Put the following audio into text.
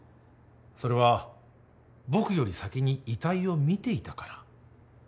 それは僕より先に遺体を見ていたから。